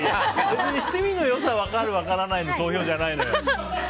七味の良さを分かる分からないの投票じゃないのよ。